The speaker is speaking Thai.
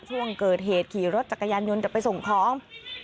ช่วงเกิดเหตุขี่รถจักรยานยนต์จะไปส่งของ